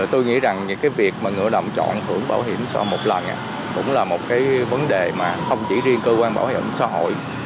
tôi nghĩ rằng những cái việc mà người đồng chọn hưởng bảo hiểm xã hội một lần cũng là một cái vấn đề mà không chỉ riêng cơ quan bảo hiểm xã hội